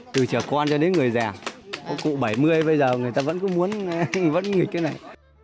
từ trở con cho đến người già cụ bảy mươi bây giờ người ta vẫn muốn nghịch cái này